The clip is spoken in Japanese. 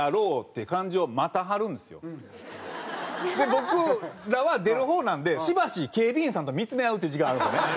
僕らは出る方なんでしばし警備員さんと見つめ合うっていう時間あるんですよね。